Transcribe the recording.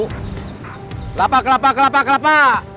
kelapa kelapa kelapa kelapa